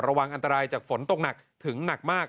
ระวังอันตรายจากฝนตกหนักถึงหนักมาก